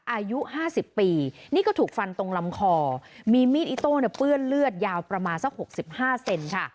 อายุห้าสิบปีนี่ก็ถูกฟันตรงลำคอมีมีดอิโต้เนี่ยเปื้อนเลือดยาวประมาณสักหกสิบห้าเซนค่ะ